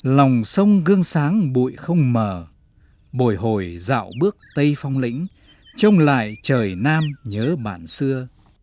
lòng sông gương sáng bụi không mờ bồi hồi dạo bước tây phong lĩnh trông lại trời nam nhớ bạn xưa